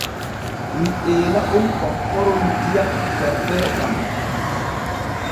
Mi eela on kokkoron diyam jareteeɗam.